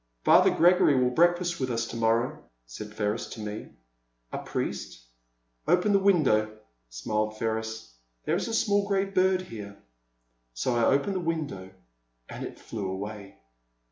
Father Gregory will breakfast with us to morrow, said Ferris to me. A Priest? Open the window, smiled Ferris ;there is a small grey bird here. So I opened the window and it flew away.